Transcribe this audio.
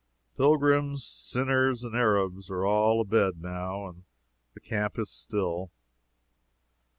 Pilgrims, sinners and Arabs are all abed, now, and the camp is still.